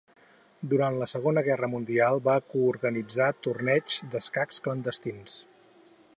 Durant la Segona Guerra Mundial va coorganitzar torneigs d'escacs clandestins.